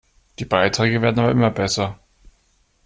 Die Beiträge werden aber immer besser.